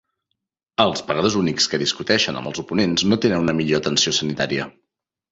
Els pagadors únics que discuteixen amb els oponents no tenen una millor atenció sanitària.